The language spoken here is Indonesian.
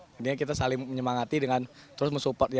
jadi kita saling menyemangati dengan terus mensupportnya